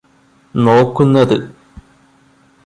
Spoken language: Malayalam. നോക്കുന്നത്